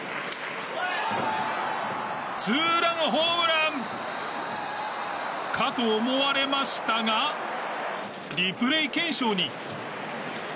ツーランホームラン！かと思われましたがリプレイ検証に。